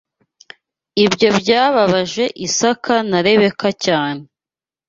Ibyo byababaje Isaka na Rebeka cyane